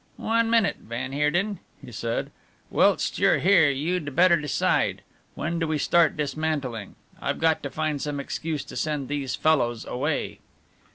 "One minute, van Heerden," he said, "whilst you're here you'd better decide when do we start dismantling? I've got to find some excuse to send these fellows away."